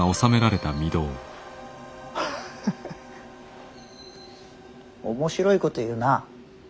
ハハッ面白いこと言うな。